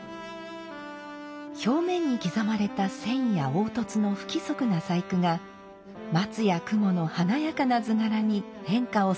表面に刻まれた線や凹凸の不規則な細工が松や雲の華やかな図柄に変化を添えます。